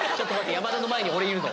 山田の前に俺いるの。